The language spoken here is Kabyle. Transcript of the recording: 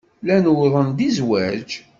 Llan uwḍen-d i zzwaj.